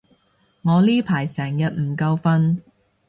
我呢排成日唔夠瞓